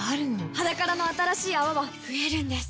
「ｈａｄａｋａｒａ」の新しい泡は増えるんです